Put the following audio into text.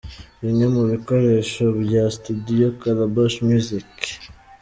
Bimwe mu bikoresho bya Studio Calabash music.